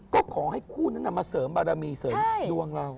ก็ขอให้คู่นั้นมาเสริมบารมีเสริมดวงเรา